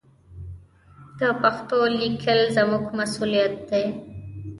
د پښتو لیکل زموږ مسوولیت دی.